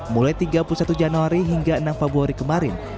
mulai tiga puluh satu januari hingga enam februari kemarin